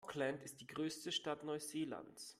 Auckland ist die größte Stadt Neuseelands.